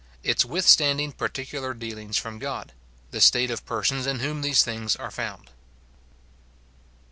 Its withstanding particular dealings from God — The state of persons in whom these things are found.